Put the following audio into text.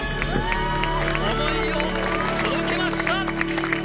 想いを届けました。